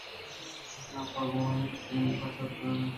کہ آ آپءَ گون اِنت ءُ دیم پہ ژیمب ءَ برگ ءَ اِنت اِش